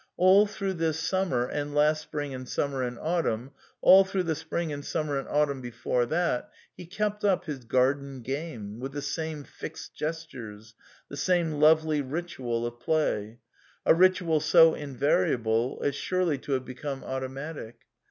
All through this summer, and last spring and sum mer and autumn, all through the spring and summer and autunm before that, he kept up his garden game, with the same fixed gestures, the same lovely ritual of play ; a ritual so invariable as surely to have become automatic.